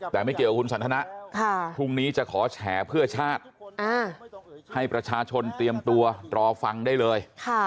แต่ไม่เกี่ยวกับคุณสันทนะพรุ่งนี้จะขอแฉเพื่อชาติให้ประชาชนเตรียมตัวรอฟังได้เลย